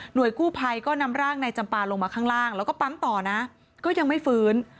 กู้ภัยก็นำร่างนายจำปาลงมาข้างล่างแล้วก็ปั๊มต่อนะก็ยังไม่ฟื้น